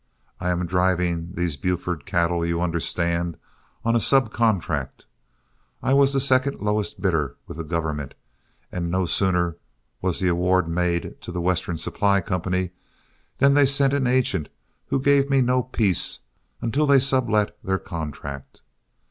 I am driving these Buford cattle, you understand, on a sub contract. I was the second lowest bidder with the government, and no sooner was the award made to The Western Supply Company than they sent an agent who gave me no peace until they sublet their contract.